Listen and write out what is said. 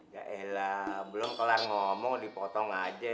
ya elah belum kelar ngomong dipotong aja